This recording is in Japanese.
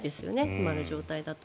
今の状態だと。